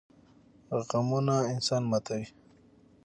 غمونه انسان ماتوي